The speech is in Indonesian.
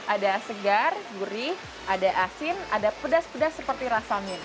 ada segar gurih ada asin ada pedas pedas seperti rasanya